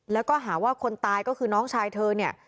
แล้วก็หาว่าคนตายก็คือน้องชายเธอเนี่ย